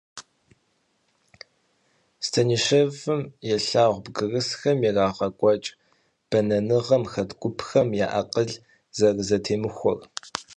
Станишевым елъагъу бгырысхэм ирагъэкӀуэкӀ бэнэныгъэм хэт гупхэм я акъыл зэрызэтемыхуэр.